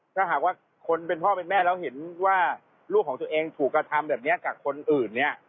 ถ้าหากว่าคนเป็นพ่อเป็นแม่แล้วเห็นว่าลูกของตัวเองถูกกระทำแบบนี้กับคนอื่นเนี่ย